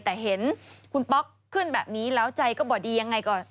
แต่เห็นคุณป๊อกขึ้นแบบนี้แล้วใจก็บ่ดียังไงก็